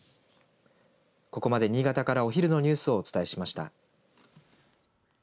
ここまで新潟からお昼のニュースをお伝えしました。